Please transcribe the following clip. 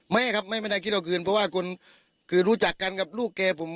ไม่ครับไม่ไม่ได้คิดเอาคืนเพราะว่าคนคือรู้จักกันกับลูกแกผม